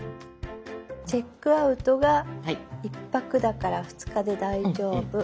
チェックアウトが１泊だから２日で大丈夫。